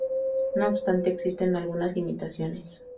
No obstante, existen algunas limitaciones.